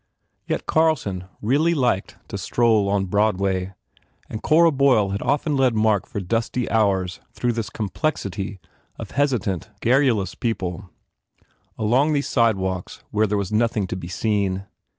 Yet Carlson really liked to stroll on Broadway and Cora Boyle had often led Mark for dusty hours through this complexity of hesitant, gar rulous people, along these sidewalks where there was nothing to be seen.